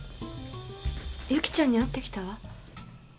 由岐ちゃんに会ってきたわ。